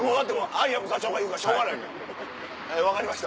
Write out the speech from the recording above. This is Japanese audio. アイアム座長が言うからしょうがないよ分かりました。